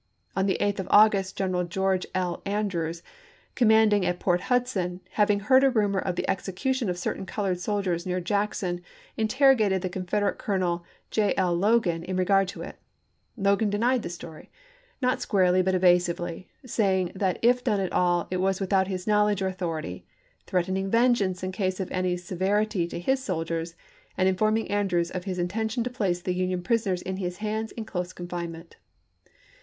On the 8th of August General George L. Andrews, commanding at Port Hudson, having heard a rumor of the execution of certain colored soldiers near Jackson, interrogated the Con federate Colonel J. L. Logan in regard to it. Logan PRISONERS OF WAR 455 denied the story, not squarely but evasively, saying chap. xvi. that if done at all, it was without his knowledge or authority, threatening vengeance in case of any se verity to his soldiers, and informing Andrews of his intention to place the Union prisoners in his hands in close confinement.